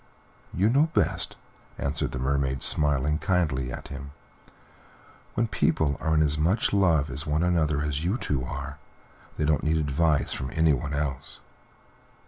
"You know best," answered the Mermaid, smiling kindly at him. "When people are as much in love with one another as you two are, they don't need advice from anyone else."